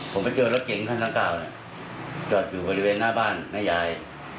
ผมไปเจอรถเก๋งขั้นละ๙จอดอยู่บริเวณหน้าบ้านน้ายาย